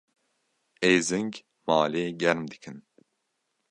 Êzing malê germ dikin.